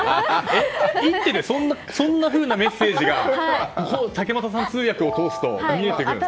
一手でそんなふうなメッセージが竹俣さん通訳を通すと見えてくるんですか？